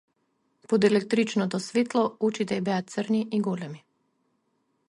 Под електричното светло очите и беа црни и големи.